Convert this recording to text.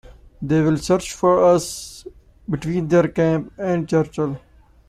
They will search for us between their camp and Churchill.